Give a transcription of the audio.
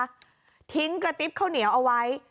ทิ้งกระติ๊บข้าวเหนียวเอาไว้